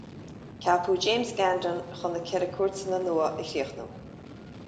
Ceapadh James Gandon chun na Ceithre Cúirteanna nua a chríochnú